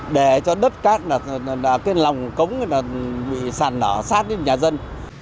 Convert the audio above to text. để cho đất cát là cái lòng cống bị sàn đỏ sát đến nhà dân